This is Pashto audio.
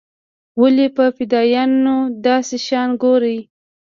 ولې په فدايانو داسې شيان ګوري.